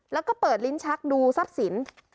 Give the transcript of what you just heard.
แล้วก็เปิดลิ้นชักดูทรัพย์สิน